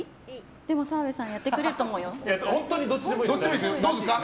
でも澤部さんやってくれると思うよ。